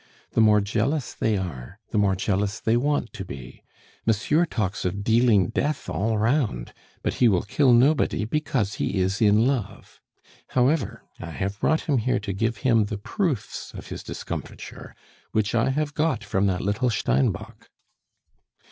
The more jealous they are, the more jealous they want to be. Monsieur talks of dealing death all round, but he will kill nobody because he is in love. However, I have brought him here to give him the proofs of his discomfiture, which I have got from that little Steinbock."